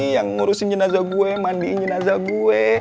yang ngurusin jenazah gue mandiin jenazah gue